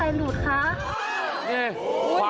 ลุดไฺลุดใช่ไหมไฺลุด